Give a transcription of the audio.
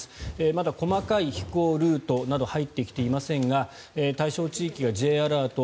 まだ細かい飛行ルートなど入ってきていませんが対象地域がＪアラート